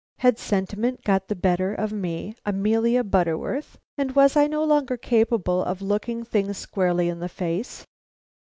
Had sentiment got the better of me, Amelia Butterworth, and was I no longer capable of looking a thing squarely in the face?